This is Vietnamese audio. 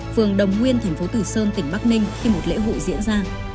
phường đồng nguyên thành phố tử sơn tỉnh bắc ninh khi một lễ hội diễn ra